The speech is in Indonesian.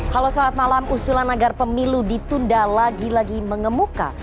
halo selamat malam usulan agar pemilu ditunda lagi lagi mengemuka